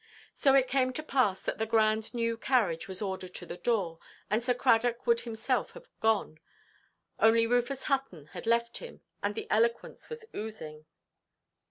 So it came to pass that the grand new carriage was ordered to the door, and Sir Cradock would himself have gone—only Rufus Hutton had left him, and the eloquence was oozing.